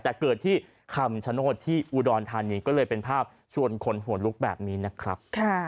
แต่เกิดที่คำชโนธที่อุดรธานีก็เลยเป็นภาพชวนคนหัวลุกแบบนี้นะครับ